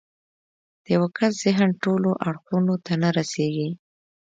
د يوه کس ذهن ټولو اړخونو ته نه رسېږي.